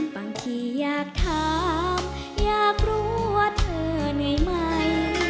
บางทีอยากถามอยากรู้ว่าเธอเหนื่อยไหม